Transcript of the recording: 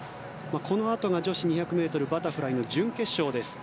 このあとが女子２００ｍバタフライの準決勝です。